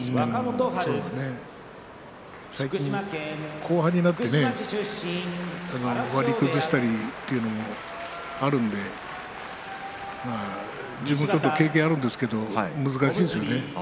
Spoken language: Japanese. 後半になってね割崩したりっていうのもあるので自分もちょっと経験があるんですけども難しいですよね。